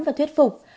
và thuyết phục